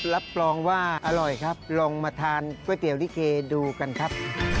รับรองว่าอร่อยครับลองมาทานก๋วยเตี๋ยวลิเกดูกันครับ